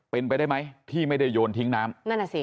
เป็นไปได้ไหมที่ไม่ได้โยนทิ้งน้ำ